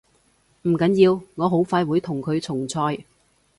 唔緊要，我好快會同佢重賽